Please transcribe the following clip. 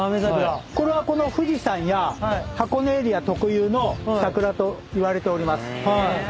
これは富士山や箱根エリア特有の桜といわれております。